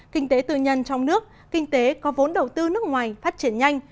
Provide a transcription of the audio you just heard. kinh tế tư nhân trong nước kinh tế có vốn đầu tư nước ngoài phát triển nhanh